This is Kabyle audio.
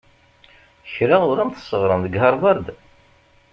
Kra ur am-t-sseɣren deg Havard?